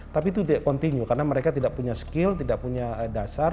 tapi itu continue karena mereka tidak punya skill tidak punya dasar